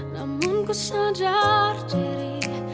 namun ku sadar diri